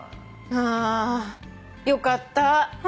あよかった。